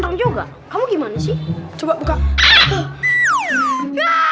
dikit lagi dikit lagi dikit lagi